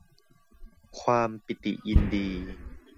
ความปิติยินดี